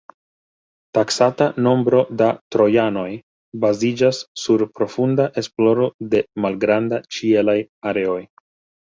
Taksata nombro da trojanoj baziĝas sur profunda esploro de malgranda ĉielaj areoj.